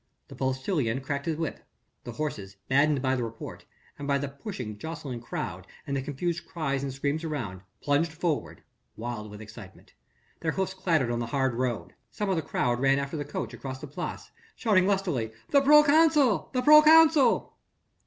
The postilion cracked his whip. The horses, maddened by the report, by the pushing, jostling crowd and the confused cries and screams around, plunged forward, wild with excitement. Their hoofs clattered on the hard road. Some of the crowd ran after the coach across the Place, shouting lustily: "The proconsul! the proconsul!"